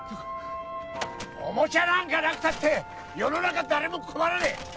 おもちゃなんかなくたって世の中誰も困らねえ！